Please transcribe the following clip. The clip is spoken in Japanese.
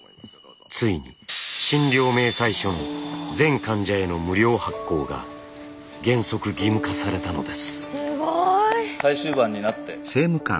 ついに診療明細書の全患者への無料発行が原則義務化されたのです。